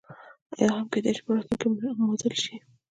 یا هم کېدای شي په راتلونکي کې مدلل شي.